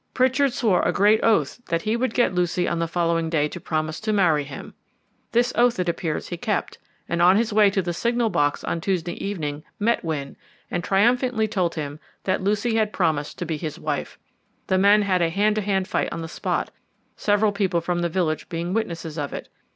Pritchard swore a great oath that he would get Lucy on the following day to promise to marry him. This oath, it appears, he kept, and on his way to the signal box on Tuesday evening met Wynne, and triumphantly told him that Lucy had promised to be his wife. The men had a hand to hand fight on the spot, several people from the village being witnesses of it.